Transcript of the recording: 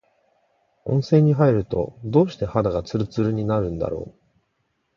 温泉に入ると、どうして肌がつるつるになるんだろう。